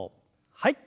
はい。